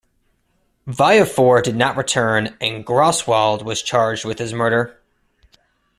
Viafore did not return, and Graswald was charged with his murder.